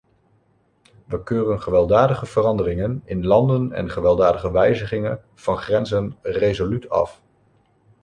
Wij keuren gewelddadige veranderingen in landen en gewelddadige wijzigingen van grenzen resoluut af.